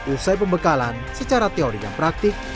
usai pembekalan secara teori dan praktik